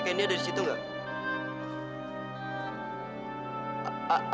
candy ada di situ gak